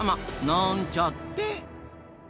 なんちゃって！